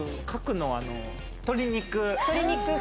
角の鶏肉。